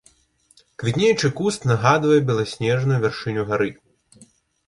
Квітнеючы куст нагадвае беласнежную вяршыню гары.